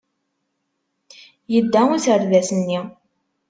Yedda userdas-nni.